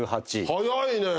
早いねぇ。